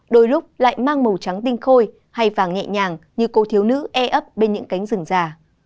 đôi lúc lại mang màu trắng tinh khôi hay và nhẹ nhàng như cô thiếu nữ e ấp bên những cánh rừng già